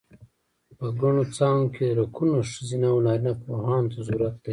په ګڼو څانګو کې لکونو ښځینه و نارینه پوهانو ته ضرورت دی.